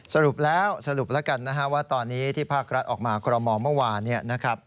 สรุปแล้วสรุปแล้วกันนะฮะว่าตอนนี้ที่ภาครัฐออกมาคอรมอลเมื่อวานเนี่ยนะครับ